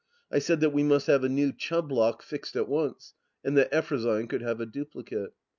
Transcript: I said that we must have a new Chubb lock fixed at once, and that Eftrosyne could have a duplicate.